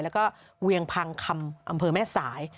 แล้วก็เวียงพังคำอำเภอแม่สาย